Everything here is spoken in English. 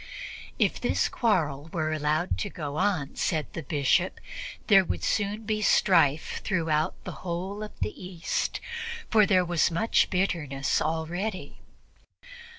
If this quarrel were allowed to go on, said the Bishop, there would soon be strife throughout the whole of the East, for there was much bitterness already.